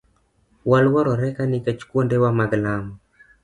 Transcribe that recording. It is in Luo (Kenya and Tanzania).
Waluorore ka nikech kuondewa mag lamo.